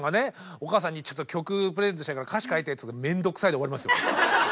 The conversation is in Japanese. お母さんに「ちょっと曲プレゼントしたいから歌詞書いて」って言ったら「めんどくさい」で終わりますよ。